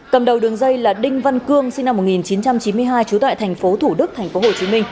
cầm đầu đường dây là đinh văn cương sinh năm một nghìn chín trăm chín mươi hai trú tại tp thủ đức tp hcm